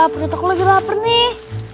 pernah ditokok lagi lapar nih